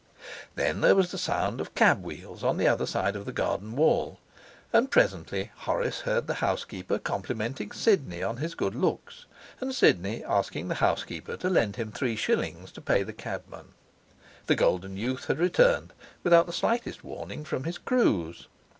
Then there was a sound of cab wheels on the other side of the garden wall, and presently Horace heard the housekeeper complimenting Sidney on his good looks, and Sidney asking the housekeeper to lend him three shillings to pay the cabman. The golden youth had returned without the slightest warning from his cruise.